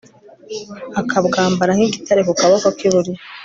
akabwambara nk'igitare ku kaboko k'iburyo